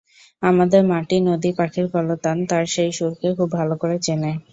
আমাদের মাটি, নদী, পাখির কলতান তাঁর সেই সুরকে খুব ভালো করে চেনে।